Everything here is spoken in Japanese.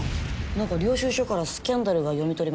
何か領収書からスキャンダルが読み取れました。